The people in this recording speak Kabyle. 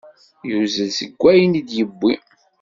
Yuzzel seg ayen i d-yewwi.